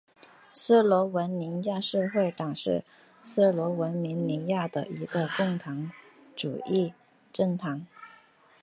斯洛文尼亚社会党是斯洛文尼亚的一个共产主义政党。